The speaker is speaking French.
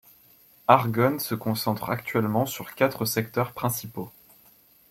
Argonne se concentre actuellement sur quatre secteurs principaux.